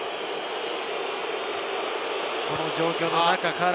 この状況の中から。